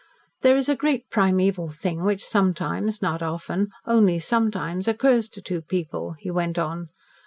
"There is a great primeval thing which sometimes not often, only sometimes occurs to two people," he went on.